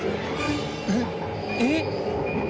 えっ？えっ？